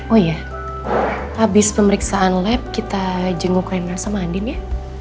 oh iya habis pemeriksaan lab kita jenguk reinhard sama andin ya